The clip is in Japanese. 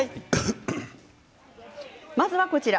まずは、こちら。